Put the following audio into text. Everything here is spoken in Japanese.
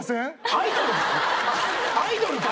アイドルか！